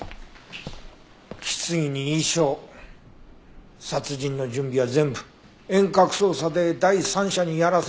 棺に衣装殺人の準備は全部遠隔操作で第三者にやらせてたってわけか。